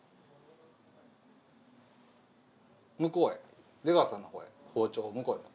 ・向こうへ出川さんの方へ包丁を向こうへ持ってく。